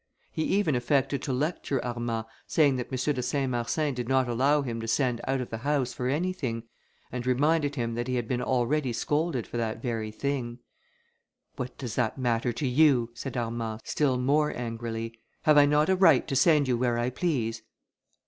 He even affected to lecture Armand, saying that M. de Saint Marsin did not allow him to send out of the house for anything, and reminded him that he had been already scolded for that very thing. "What does that matter to you," said Armand, still more angrily, "have I not a right to send you where I please?"